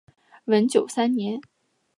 文久三年。